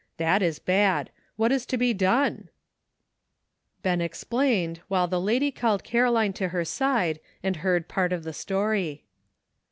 That is bad.. What is to be done ?" Ben explained, while the lady called Caroline to her side and heard part of the story.